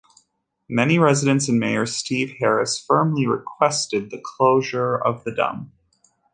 Many residents and mayor Steve Harris firmly requested the closure of the dump.